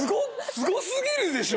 すごすぎるでしょ！